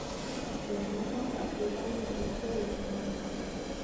有什么方法可以帮助他们脱离贫穷呢。